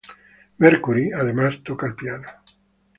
Mercury, además, toca el piano.